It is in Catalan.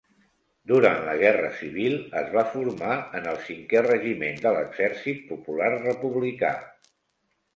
Durant la Guerra Civil es va formar en el Cinquè Regiment de l'Exèrcit Popular Republicà.